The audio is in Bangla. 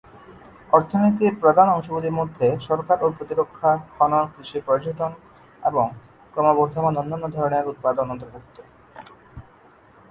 অর্থনীতির প্রধান অংশগুলির মধ্যে সরকার ও প্রতিরক্ষা, খনন, কৃষি, পর্যটন এবং ক্রমবর্ধমান অন্যান্য ধরনের উৎপাদন অন্তর্ভুক্ত।